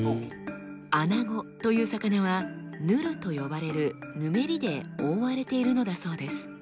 アナゴという魚はヌルと呼ばれるぬめりで覆われているのだそうです。